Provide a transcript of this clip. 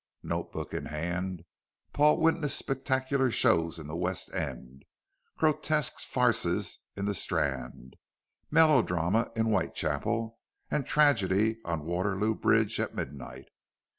Note book in hand, Paul witnessed spectacular shows in the West End, grotesque farces in the Strand, melodrama in Whitechapel and tragedy on Waterloo Bridge at midnight.